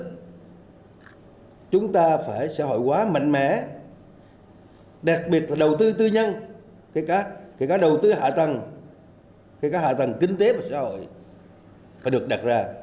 tuyên quang đã đạt được tất cả các năng suất hiệu quả mạnh mẽ đặc biệt là đầu tư tư nhân kể cả đầu tư hạ tầng kể cả hạ tầng kinh tế và xã hội